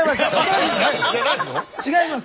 違います。